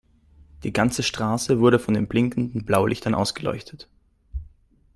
Die ganze Straße wurde von den blinkenden Blaulichtern ausgeleuchtet.